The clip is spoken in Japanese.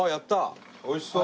おいしそう。